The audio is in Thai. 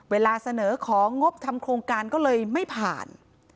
เวลาเสนอของงบทำโครงการก็เลยไม่ผ่าน